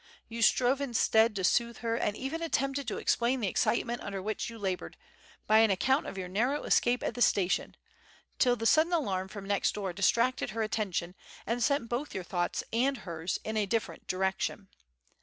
You strove instead to soothe her, and even attempted to explain the excitement under which you laboured, by an account of your narrow escape at the station, till the sudden alarm from next door distracted her attention, and sent both your thoughts and hers in a different direction.